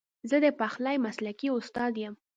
زه د پخلي مسلکي استاد یم